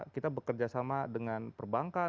kita bekerja sama dengan perbankan